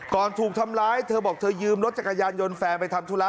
ถูกทำร้ายเธอบอกเธอยืมรถจักรยานยนต์แฟนไปทำธุระ